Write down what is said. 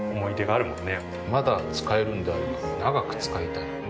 まだ使えるんであれば長く使いたい。